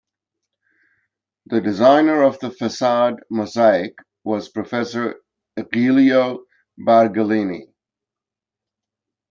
The designer of the facade mosaic was Professor Giulio Bargellini.